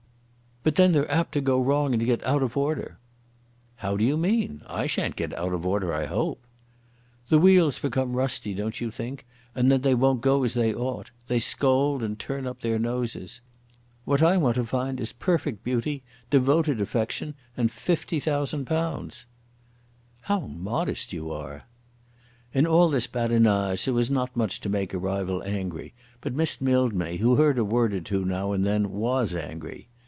"But then they're apt to go wrong and get out of order." "How do you mean? I shan't get out of order, I hope." "The wheels become rusty, don't you think? and then they won't go as they ought. They scold and turn up their noses. What I want to find is perfect beauty, devoted affection, and £50,000." "How modest you are." In all this badinage there was not much to make a rival angry; but Miss Mildmay, who heard a word or two now and then, was angry.